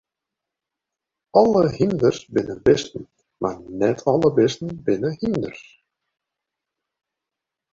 Alle hynders binne bisten, mar net alle bisten binne hynders.